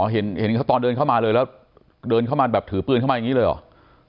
เห็นตอนเดินเข้ามาเลยแล้วเดินเข้ามาแบบถือปืนเข้ามาอย่างนี้เลยเหรอ